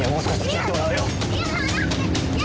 いや！